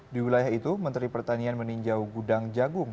di wilayah itu menteri pertanian meninjau gudang jagung